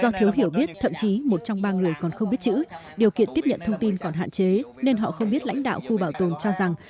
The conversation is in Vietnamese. do thiếu hiểu biết thậm chí một trong ba người còn không biết chữ điều kiện tiếp nhận thông tin còn hạn chế nên họ không biết lãnh đạo khu bảo tồn cho rằng